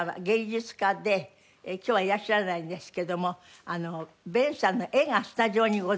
今日はいらっしゃらないんですけども勉さんの絵がスタジオにございます。